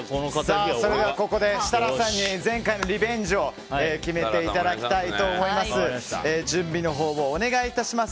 ここで設楽さんに前回のリベンジを決めていただきたいと思います。